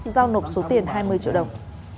giao nộp số tiền hai mươi triệu đồng